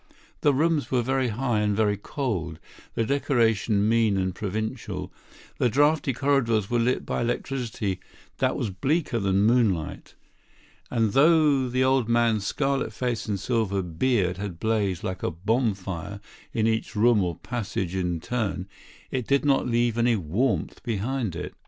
The rooms were very high and very cold; the decoration mean and provincial; the draughty corridors were lit by electricity that was bleaker than moonlight. And though the old man's scarlet face and silver beard had blazed like a bonfire in each room or passage in turn, it did not leave any warmth behind it.